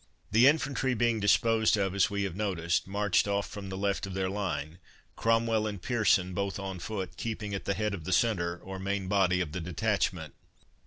The infantry being disposed of as we have noticed, marched off from the left of their line, Cromwell and Pearson, both on foot, keeping at the head of the centre, or main body of the detachment.